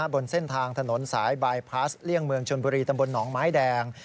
บนเส้นทางถนนสายบายพลาสเลี่ยงเมืองชนบุรีตำบลหนองไม้แดง